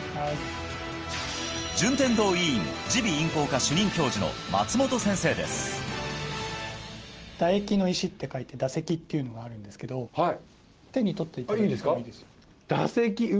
順天堂医院耳鼻咽喉科主任教授の松本先生ですっていうのがあるんですけど手に取っていただいてもいいんですか？